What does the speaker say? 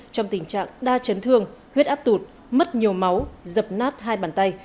trong tình trạng đa chấn thương huyết áp tụt mất nhiều máu dập nát hai bàn tay